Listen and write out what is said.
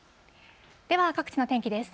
では各地の天気です。